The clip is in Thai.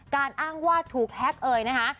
การอ้างว่าถูกแฮคเอ่ยนะฮะ